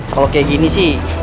kalau kayak gini sih